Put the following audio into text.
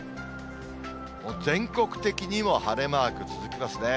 もう全国的にも晴れマーク続きますね。